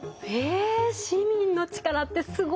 え市民の力ってすごいですね！